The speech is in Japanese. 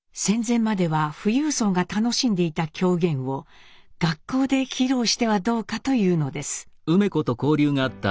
戦前までは富裕層が楽しんでいた狂言を学校で披露してはどうかというのです。